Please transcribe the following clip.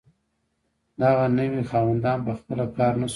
دغه نوي خاوندان په خپله کار نشو کولی.